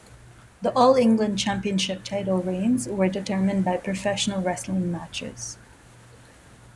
The All-England Championship title reigns were determined by professional wrestling matches.